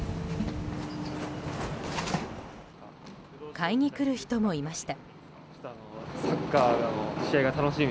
買いに来る人もいました。